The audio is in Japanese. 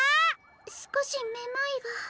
すこしめまいが。